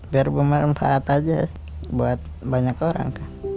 biar bermanfaat aja buat banyak orang